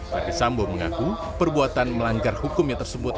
ferdis sambo mengaku perbuatan melanggar hukumnya tersebut